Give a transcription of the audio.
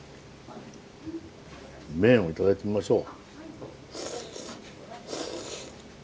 麺を頂いてみましょう。